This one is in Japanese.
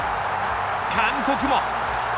監督も。